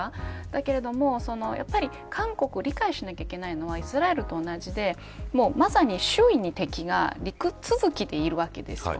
だけど、韓国理解しなきゃいけないのはイスラエルと同じでまさに周囲に、敵が陸続きでいるわけですよ。